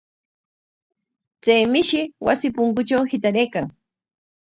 Chay mishi wasi punkutraw hitaraykan.